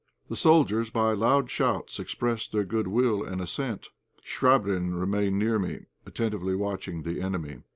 The soldiers by loud shouts expressed their goodwill and assent. Chvabrine remained near me, attentively watching the enemy.